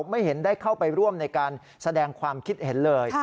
ไม่เห็นได้เข้าไปร่วมในการแสดงความคิดเห็นเลย